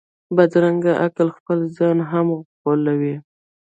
بدرنګه عقل خپل ځان هم غولوي